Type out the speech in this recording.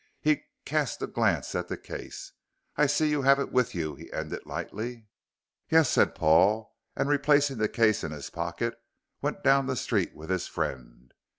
He cast a glance at the case. "I see you have it with you," he ended, lightly. "Yes," said Paul, and replacing the case in his pocket went down the street with his friend.